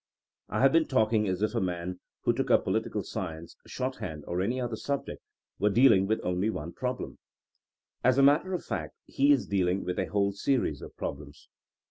I have been talking as if a man who took up political science, shorthand, or any other subject, were dealing with only one prob lem. As a matter of fact he is dealing with a whole series of problems.